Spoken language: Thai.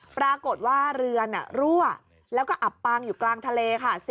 ปรากฏว่าเรือนรั่วแล้วก็อับปางอยู่กลางทะเลค่ะ